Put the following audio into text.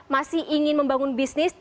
masih ingin membangun bisnis